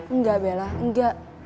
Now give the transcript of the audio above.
enggak bella enggak